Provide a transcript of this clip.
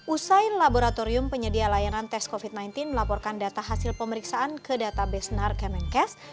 usai laboratorium penyedia layanan tes covid sembilan belas melaporkan data hasil pemeriksaan ke database nar kemenkes